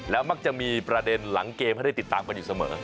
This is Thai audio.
มักจะมีประเด็นหลังเกมให้ได้ติดตามกันอยู่เสมอ